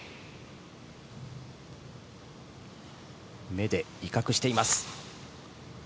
目で威嚇しています。